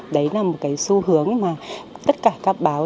đấy là một cái xu hướng mà tất cả các báo